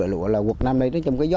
lụa là quất năm nay